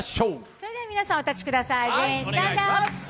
それでは皆さんお立ちください。